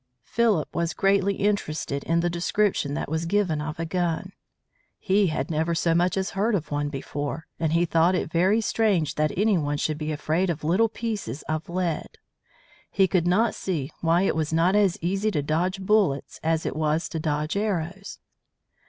Philip was greatly interested in the description that was given of a gun. He had never so much as heard of one before, and he thought it very strange that any one should be afraid of little pieces of lead. He could not see why it was not as easy to dodge bullets as it was to dodge arrows.